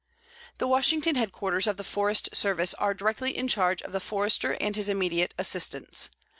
The Washington headquarters of the Forest Service are directly in charge of the Forester and his immediate assistants.